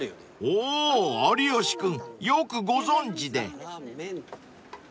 ［おお有吉君よくご存じで］